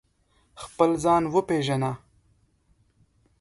خپل ځان و پېژنه